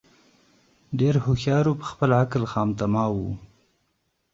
ډېر هوښیار وو په خپل عقل خامتماوو